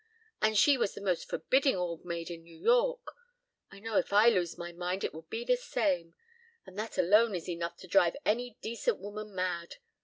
And she was the most forbidding old maid in New York. I know if I lose my mind it will be the same, and that alone is enough to drive any decent woman mad.